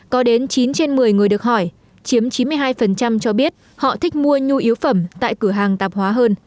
có đến chín trên một mươi người được hỏi chiếm chín mươi hai cho biết họ thích mua nhu yếu phẩm tại cửa hàng tạp hóa hơn